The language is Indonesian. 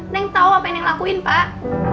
neng tau apa yang neng lakuin pak